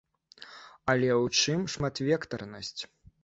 Але ў чым шматвектарнасць?